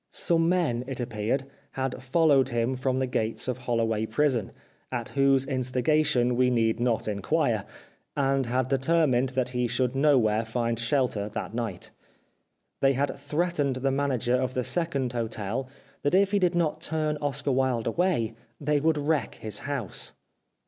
Some men, it appeared, had followed him from the gates of Holloway Prison — at whose instigation we need not inquire — and had determined that he should nowhere find shelter that night. They had threatened the manager of the second hotel that if he did not turn Oscar Wilde away they would wreck his house.